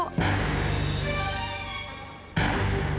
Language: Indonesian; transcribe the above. kamu jangan lupa